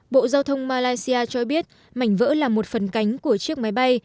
bộ giao thông malaysia cho biết mảnh vỡ là một phần cánh của chiếc máy bay